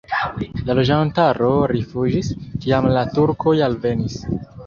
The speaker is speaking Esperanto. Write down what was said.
La loĝantaro rifuĝis, kiam la turkoj alvenis.